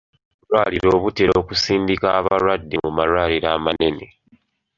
Obulwaliro butera okusindika abalwadde mu malwaliro amanene.